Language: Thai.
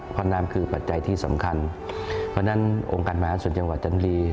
เพราะน้ำคือปัจจัยที่สำคัญเพราะฉะนั้นองค์การมหาสุดจังหวัดจันทรีย์